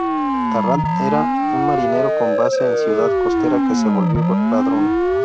Tarrant era un marinero con base en Ciudad Costera que se volvió ladrón.